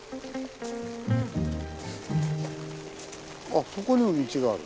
あっそこにも道がある。